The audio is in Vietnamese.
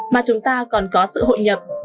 mà chúng ta còn có sự hội nhập